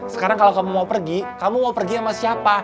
sekarang kalau kamu mau pergi kamu mau pergi sama siapa